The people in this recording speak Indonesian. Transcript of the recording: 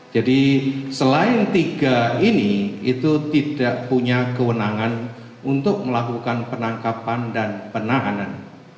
jadi selain tiga ini itu tidak punya kewenangan untuk melakukan penangkapan dan penahanan